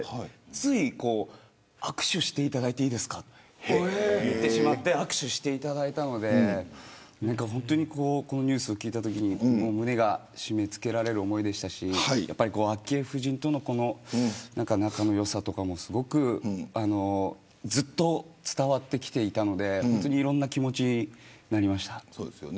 つい、握手していただいていいですかと言ってしまって握手していただいたのでこのニュースを聞いたときに胸が締め付けられる思いでしたし昭恵夫人との仲の良さとかもずっと伝わってきていたのでいろんな気持ちになりました。